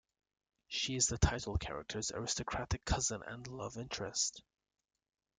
She is the title character's aristocratic cousin and love interest.